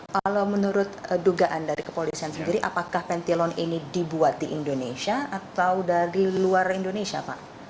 kalau menurut dugaan dari kepolisian sendiri apakah pentilon ini dibuat di indonesia atau dari luar indonesia pak